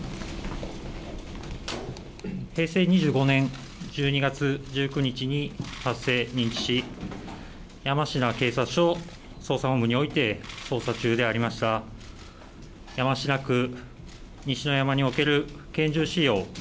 平成２５年１２月１９日に発生し山科警察署捜査本部において捜査中でありました山科区西の山における拳銃使用。